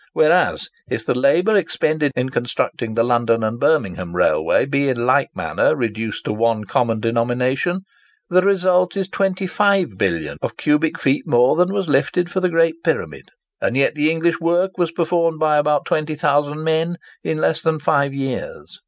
Whereas, if the labour expended in constructing the London and Birmingham Railway be in like manner reduced to one common denomination the result is 25,000,000,000 of cubic feet more than was lifted for the Great Pyramid; and yet the English work was performed by about 20,000 men in less than five years.